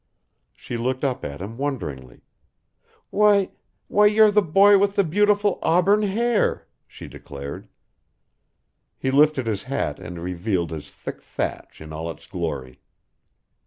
She looked up at him wonderingly. "Why why you're the boy with the beautiful auburn hair," she declared. He lifted his hat and revealed his thick thatch in all its glory.